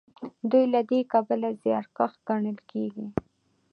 دوی له دې کبله زیارکښ ګڼل کیږي.